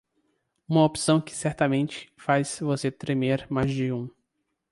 Uma opção que certamente faz você tremer mais de um.